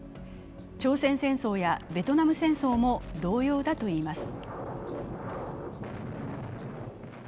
朝鮮戦争やベトナム戦争も同様だといいます。